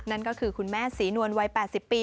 นั่นก็คือคุณแม่ศรีนวลวัย๘๐ปี